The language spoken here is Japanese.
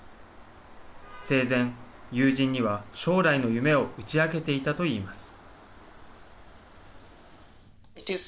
生前、友人には将来の夢を打ち明けていたといいます。